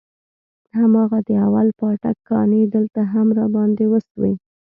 هماغه د اول پاټک کانې دلته هم راباندې وسوې.